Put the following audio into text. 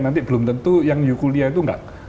nanti belum tentu yang ibu kuliah itu nggak bisa di support